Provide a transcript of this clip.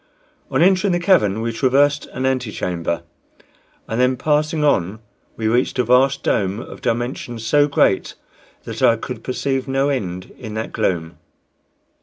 On entering the cavern we traversed an antechamber, and then passing on we reached a vast dome, of dimensions so great that I could perceive no end in that gloom.